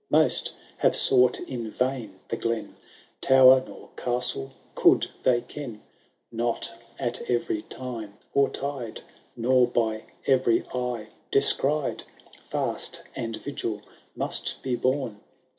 Most have sought in vain the glen. Tower nor castle could they ken ; Not at every time or tide. Nor by every eye, descried. Fast and vigil must be borne.